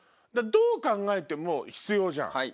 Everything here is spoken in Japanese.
どう考えても必要じゃん。